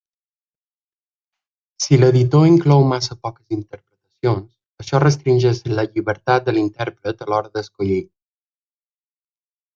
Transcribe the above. Si l'editor inclou massa poques interpretacions, això restringeix la llibertat de l'intèrpret a l'hora d'escollir.